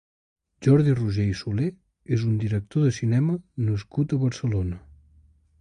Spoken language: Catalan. Jordi Roigé i Solé és un director de cinema nascut a Barcelona.